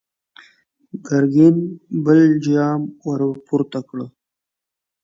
ګرګين بل جام ور پورته کړ!